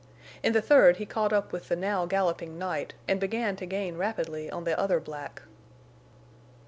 In the third he caught up with the now galloping Night and began to gain rapidly on the other black.